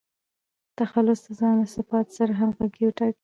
تخلص د ځان له صفاتو سره همږغى وټاکئ!